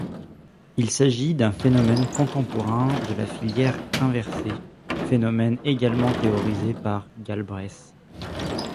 Il s'agit d'un phénomène contemporain de la filière inversée, phénomène également théorisé par Galbraith.